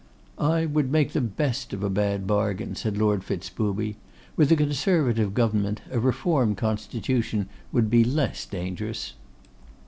'I would make the best of a bad bargain,' said Lord Fitz booby. 'With a Conservative government, a reformed Constitution would be less dangerous.